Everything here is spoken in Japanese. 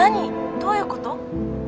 どういうこと？